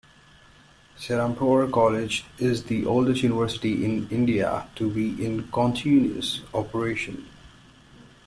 Serampore College is the oldest university in India to be in continuous operation.